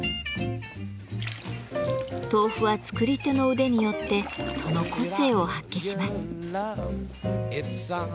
豆腐は作り手の腕によってその個性を発揮します。